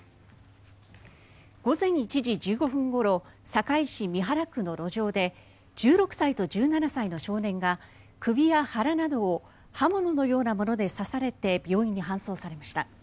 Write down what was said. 午前１時１５分ごろ堺市美原区の路上で１６歳と１７歳の少年が首や腹などを刃物のようなもので刺されて病院に搬送されました。